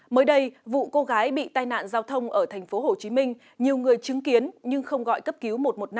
mới đây vụ cô gái bị tai nạn giao thông ở tp hcm nhiều người chứng kiến nhưng không gọi cấp cứu một trăm một mươi năm